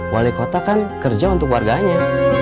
wali kota kan kerja untuk warganya